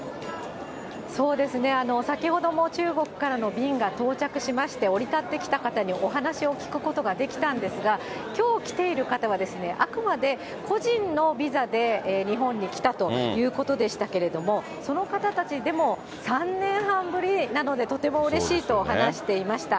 そうですね、先ほども中国からの便が到着しまして、降り立ってきた方にお話を聞くことができたんですが、きょう来ている方は、あくまで個人のビザで日本に来たということでしたけれども、その方たちでも３年半ぶりなのでとてもうれしいと話していました。